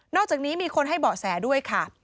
อกจากนี้มีคนให้เบาะแสด้วยค่ะ